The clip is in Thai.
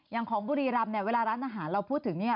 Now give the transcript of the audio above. อย่างของบุรีรำเนี่ยเวลาร้านอาหารเราพูดถึงเนี่ย